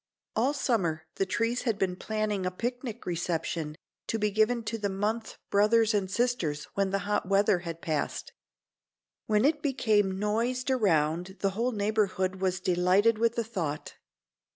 All summer the trees had been planning a picnic reception to be given to the Month brothers and sisters when the hot weather had passed. When it became noised around the whole neighborhood was delighted with the thought.